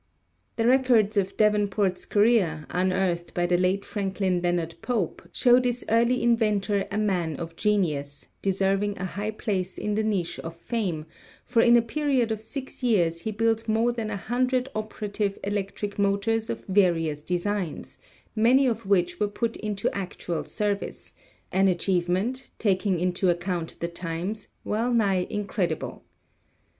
The records of Davenport's career, unearthed by the late Franklin Leonard Pope, show this early inventor a man of genius, deserving a high place in the niche of fame, for in a period of six years he built more than a hundred operative electric motors of various designs, many of which were put into actual service, an achievement, taking into account the times, well nigh incredible.